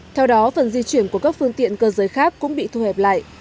theo đó phần di chuyển của các phương tiện cơ giới khác cũng bị thu hẹp lại